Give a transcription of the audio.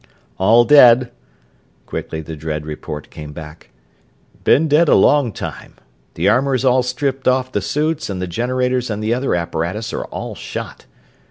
"All dead." Quickly the dread report came back. "Been dead a long time. The armor is all stripped off the suits, and the generators and the other apparatus are all shot.